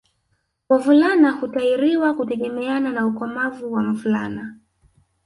Wavulana hutahiriwa kutegemeana na ukomavu wa mvulana